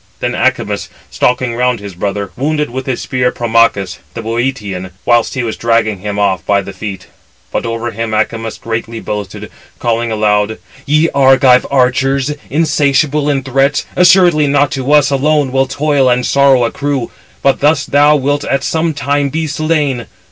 Then Acamas, stalking round his brother, wounded with his spear Promachus, the Bœotian; whilst he was dragging him off by the feet. But over him Acamas greatly boasted, calling out aloud: "Ye Argive archers, 482 insatiable in threats, assuredly not to us alone will toil and sorrow accrue, but thus thou also wilt at some time be slain.